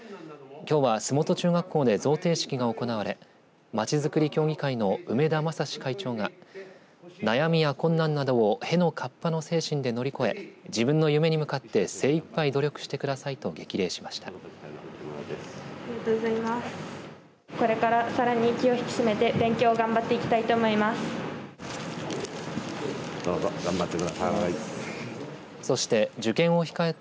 きょうは栖本中学校で贈呈式が行われまちづくり協議会の梅田正会長が悩みや困難などをへのかっぱの精神で乗り越え自分の夢に向かって精いっぱい努力してくださいと激励しました。